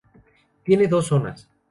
Tiene dos zonas.